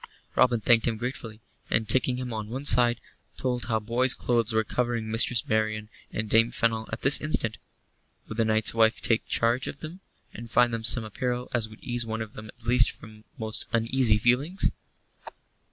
Robin thanked him gratefully, and, taking him on one side, told how boy's clothes were covering Mistress Marian and Dame Fennel at this instant. Would the knight's wife take charge of them, and find them some apparel as would ease one of them at least from most uneasy feelings?